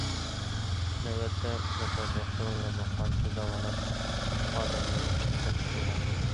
نۆۋەتتە، ئۈچ نەپەر دوختۇر ۋە بىرقانچە داۋالاش خادىملىرى ئىشتىن توختىتىلدى.